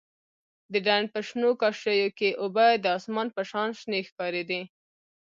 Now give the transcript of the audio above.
د ډنډ په شنو کاشيو کښې اوبه د اسمان په شان شنې ښکارېدې.